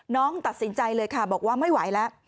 น้องตัดสินใจเลยค่ะบอกว่าไม่ไหวแล้ว